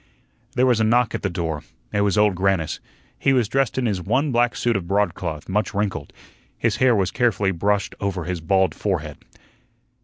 There was a knock at the door. It was Old Grannis. He was dressed in his one black suit of broadcloth, much wrinkled; his hair was carefully brushed over his bald forehead.